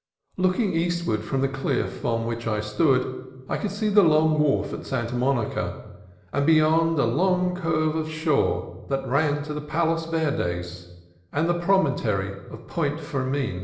Looking east ward from the cliff on which I stood, I could see the long wharf at Santa Monica, and, beyond, a long curve of shore that ran to the Palos Verdes and the promontory of Point Fermin.